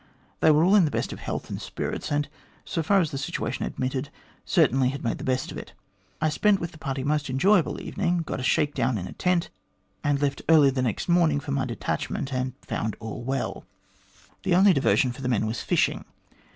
They were all in the best of health and spirits, and so far as the situation admitted, certainly had made the best of it. I spent with the party a most enjoyable evening, got a shake down in a tent, and left early the next morning for my detachment, and found all well. "The only diversion for the men was fishing.